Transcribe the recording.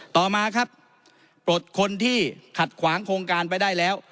ต่อมาครับปลดคนที่ขัดขวางโครงการไปได้แล้ว